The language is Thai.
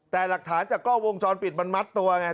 แต่หลักฐานจากกล้องวงจรปิดมันมัดตัวไง